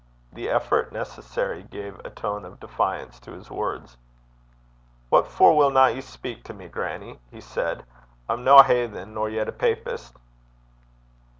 The effort necessary gave a tone of defiance to his words. 'What for willna ye speik to me, grannie?' he said. 'I'm no a haithen, nor yet a papist.'